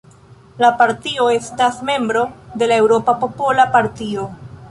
La partio estas membro de la Eŭropa Popola Partio.